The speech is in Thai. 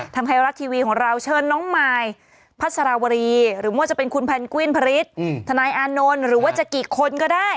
ไทยรัฐทีวีของเราเชิญน้องมายพัสราวรีหรือว่าจะเป็นคุณแพนกวินพริษทนายอานนท์หรือว่าจะกี่คนก็ได้